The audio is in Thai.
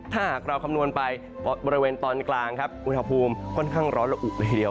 ถ้าหากเราคำนวณไปบริเวณตอนกลางครับอุณหภูมิค่อนข้างร้อนละอุเลยทีเดียว